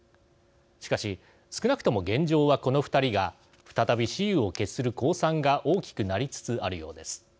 しかし少なくとも現状はこの２人が再び雌雄を決する公算が大きくなりつつあるようです。